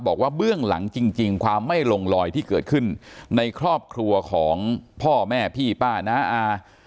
เบื้องหลังจริงความไม่ลงลอยที่เกิดขึ้นในครอบครัวของพ่อแม่พี่ป้าน้าอา